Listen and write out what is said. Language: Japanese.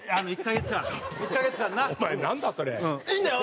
いいんだよ！